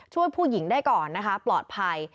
ช่วยผู้หญิงได้ก่อนนะคะปลอดภัย